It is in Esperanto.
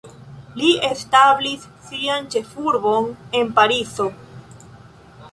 Li establis sian ĉefurbon en Parizo.